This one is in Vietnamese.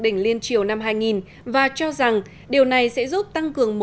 đỉnh liên triều năm hai nghìn và cho rằng điều này sẽ giúp tăng cường